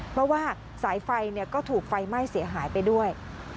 เพราะว่าสายไฟก็ถูกไฟไหม้เสียหายไปด้วย